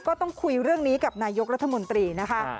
ก็ต้องคุยเรื่องนี้กับนายกรัฐมนตรีนะคะ